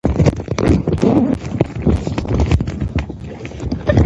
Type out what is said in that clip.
بیا یې په لنډ ډول خپلو ټولګیوالو ته بیان کړئ.